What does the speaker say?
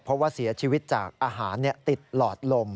เพราะว่าเสียชีวิตจากอาหารติดหลอดลม